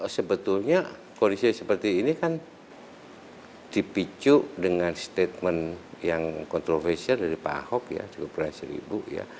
sebetulnya kondisi seperti ini kan dipicu dengan statement yang kontroversial dari pak ahok ya cukup berhasil ibu ya